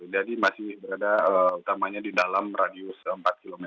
jadi masih berada utamanya di dalam radius empat km